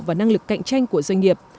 và năng lực cạnh tranh của doanh nghiệp